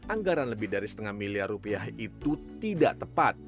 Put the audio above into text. anggaran lebih dari setengah miliar rupiah itu tidak tepat